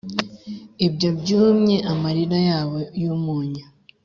ibyo byumye byumye amarira yabo yumunyu.